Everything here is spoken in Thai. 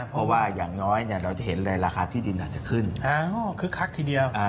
เพราะว่าอย่างน้อยเราจะเห็นเลยราคาที่ดินอาจจะขึ้นคึกคักทีเดียว